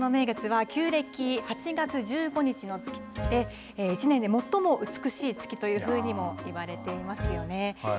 中秋の名月は旧暦８月１５日の夜で１年で最も美しい月というふうにも言われていますよね。